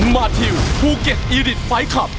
มาทิวภูเก็ตอีริตไฟล์คลับ